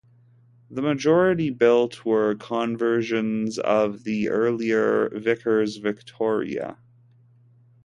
The majority built were conversions of the earlier Vickers Victoria.